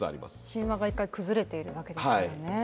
神話が１回崩れているわけですからね。